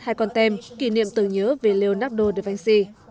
hai con tem kỷ niệm tưởng nhớ về leonardo da vinci